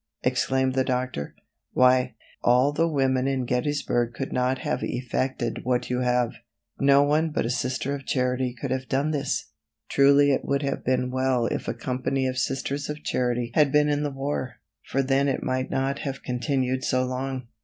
exclaimed the doctor; "why, all the women in Gettysburg could not have effected what you have. No one but a Sister of Charity could have done this. Truly it would have been well if a company of Sisters of Charity had been in the war, for then it might not have continued so long."